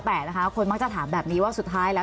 แต่นะคะคนมักจะถามแบบนี้ว่าสุดท้ายแล้ว